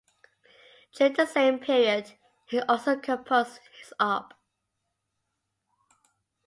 During the same period he also composed his Op.